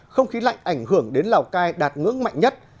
không khí lạnh ảnh hưởng đến lào cai đạt ngưỡng mạnh nhất